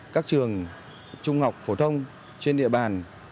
các trường trung học phổ thông trên địa bàn